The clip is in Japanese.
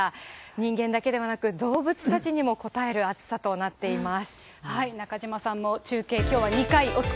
人間だけではなく、動物たちにもこたえる暑さとなっています。